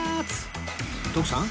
徳さん